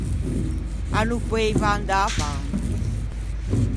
A no poeiva andâ avanti.